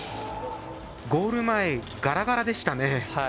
ゴール前、ガラガラでしたね。